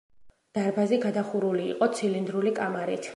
დარბაზი გადახურული იყო ცილინდრული კამარით.